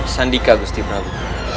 sandika gusti brahu